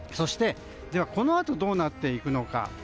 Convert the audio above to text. このあとどうなっていくのか。